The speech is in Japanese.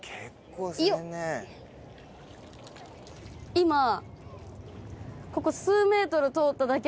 今ここ。